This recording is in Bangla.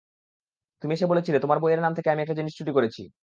তুমি এসে বলেছিলে, তোমার বইয়ের নাম থেকে আমি একটা জিনিস চুরি করেছি।